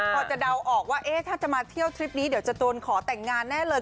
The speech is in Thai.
พอจะเดาออกว่าถ้าจะมาเที่ยวทริปนี้เดี๋ยวจะโดนขอแต่งงานแน่เลย